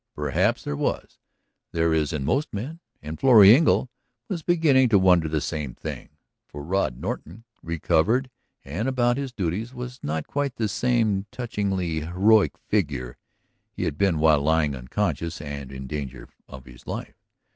Perhaps there was; there is in most men. And Florrie Engle was beginning to wonder the same thing. For Rod Norton, recovered and about his duties, was not quite the same touchingly heroic figure he had been while lying unconscious and in danger of his life.